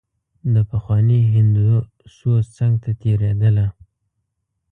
د پخواني هندو سوز څنګ ته تېرېدله.